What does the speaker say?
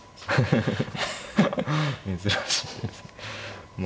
珍しいですね。